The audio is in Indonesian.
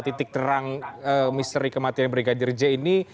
titik terang misteri kematian brigadir j ini